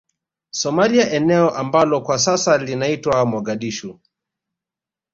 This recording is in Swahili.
Somalia eneo ambalo kwa sasa linaitwa Mogadishu